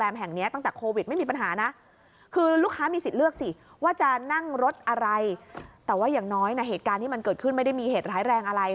มันเกิดขึ้นไม่ได้มีเหตุร้ายแรงอะไร